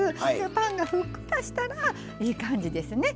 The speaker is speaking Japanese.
パンがふっくらしたらいい感じですね。